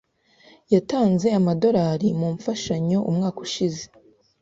Yatanze amadolari mumfashanyo umwaka ushize.